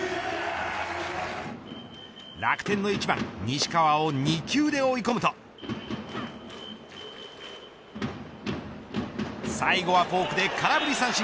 楽天の１番西川を２球で追い込むと最後はフォークで空振り三振。